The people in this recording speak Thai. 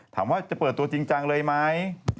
ถามว่าจะเปิดตัวจริงจังเลยไหม